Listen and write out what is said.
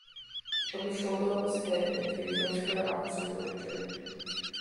A patrol boat was hit and three coast guard officers were injured.